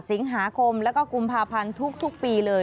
สิงหาคมแล้วก็กุมภาพันธ์ทุกปีเลย